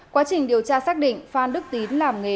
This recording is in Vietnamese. quá trình điều tra xác định phan đức tín làm nghề